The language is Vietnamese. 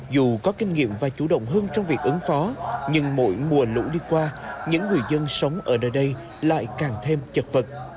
dù có kinh nghiệm và chủ động hơn trong việc ứng phó nhưng mỗi mùa lũ đi qua những người dân sống ở đây lại càng thêm chật vật